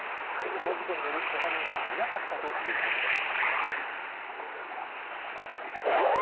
この事故によるけが人はいなかったということです。